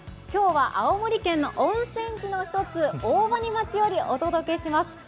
今日は青森県の温泉地の一つ大鰐町よりお届けします。